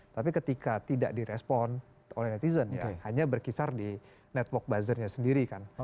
tapi ketika tidak direspon oleh netizen ya hanya berkisar di network buzzernya sendiri kan